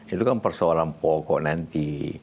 itu kan persoalan pokok nanti